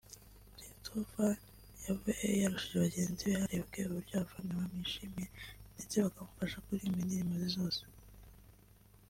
Christopher yavuyeyo yarushije bagenzi be harebwe uburyo abafana bamwishimiye ndetse bakamufasha kuririmba indirimbo ze zose